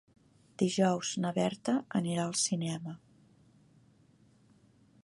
Dijous na Berta anirà al cinema.